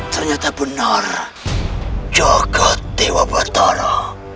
ternyata benar jaga tewa batara